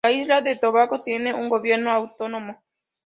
La isla de Tobago tiene un gobierno autónomo.